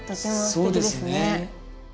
そうですね。